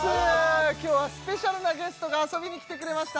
今日はスペシャルなゲストが遊びに来てくれました